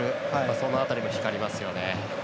その辺りも光りますよね。